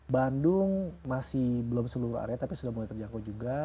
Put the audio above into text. bandung masih belum seluruh area tapi sudah mulai terjangkau juga